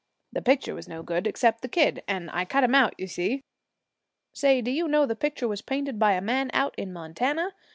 The picture was no good except the kid; and I cut him out, you see. Say, do you know the picture was painted by a man out in Montana?